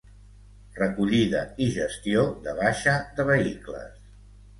recollida i gestió de baixa de vehicles